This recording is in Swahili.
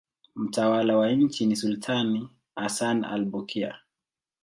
Mtawala wa nchi ni sultani Hassan al-Bolkiah.